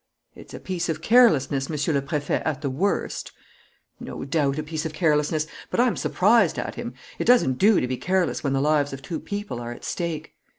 "It's a piece of carelessness, Monsieur le Préfet, at the worst." "No doubt, a piece of carelessness, but I'm surprised at him. It doesn't do to be careless when the lives of two people are at stake.